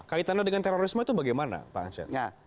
kaitannya dengan terorisme itu bagaimana pak ansyad